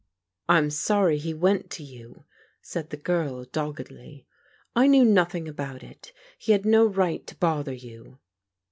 " I'm sorry he went to you," said the girl doggedly. " I knew nothing about it. He had no right to bother you."